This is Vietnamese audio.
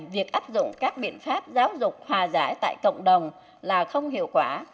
việc áp dụng các biện pháp giáo dục hòa giải tại cộng đồng là không hiệu quả